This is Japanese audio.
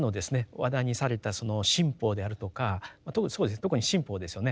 話題にされたその新法であるとか特に新法ですよね